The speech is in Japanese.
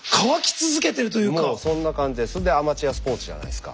もうそんな感じでそれでアマチュアスポーツじゃないですか。